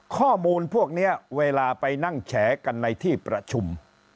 ข้อมูลพวกนี้เวลาไปนั่งแฉกันในที่ประชุม